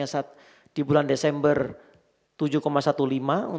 di baeo ini menurunkan ke slur tapi di baeo ini menurunkan ke slur tapi di baeo ini